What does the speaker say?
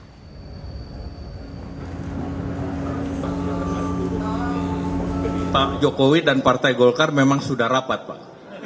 pak jokowi dan partai golkar memang sudah rapat pak